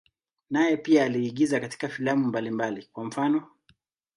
Naye pia aliigiza katika filamu mbalimbali, kwa mfano.